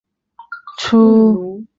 初级教育应属义务性质。